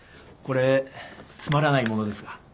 これつまらないものですが。